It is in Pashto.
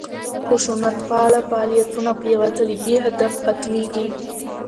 خشونتپاله فعالیتونه په یوه طالبي هدف ختمېږي.